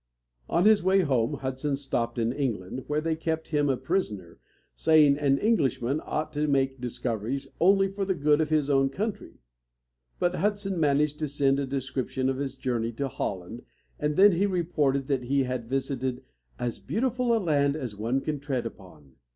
On his way home Hudson stopped in England, where they kept him a prisoner, saying an Englishman ought to make discoveries only for the good of his own country. But Hudson managed to send a description of his journey to Holland, and he then reported that he had visited "as beautiful a land as one can tread upon."